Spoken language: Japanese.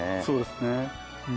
そうですね。